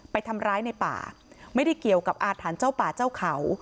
ไปทำร้ายในป่าไม่ได้เกี่ยวกับอาถรรพ์เจ้าป่าเจ้าเขา